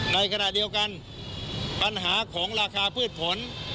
ในขณะเดียวกันปัญหาของราคาพืชผล